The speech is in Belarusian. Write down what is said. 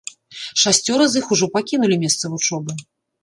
Шасцёра з іх ужо пакінулі месца вучобы.